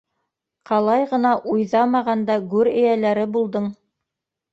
Ҡалай ғына уйҙамағанда гүр эйәләре булдың.